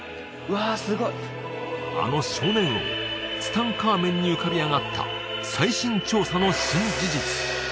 わあすごいあの少年王ツタンカーメンに浮かび上がった最新調査の新事実